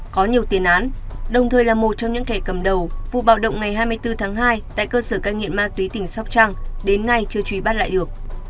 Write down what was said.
có nhiều tiền án đồng thời là một trong những kẻ cầm đầu vụ bạo động ngày hai mươi bốn tháng hai tại cơ sở cai nghiện ma túy tỉnh sóc trăng đến nay chưa truy bắt lại được